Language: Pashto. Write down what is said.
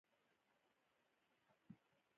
باز کارغه ته د ښکار چل ور زده کړ.